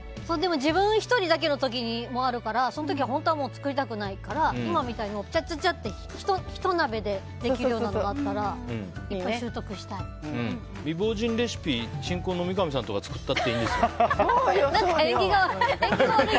自分１人だけの時もあるからその時は本当は作りたくないから今みたいに、ちゃちゃっとひと鍋でできるようなのだったら味望人レシピ新婚の三上さんが作ってもいいんですよ。